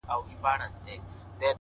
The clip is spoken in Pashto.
څو شپې ورځي وو په غره کي ګرځېدلی!!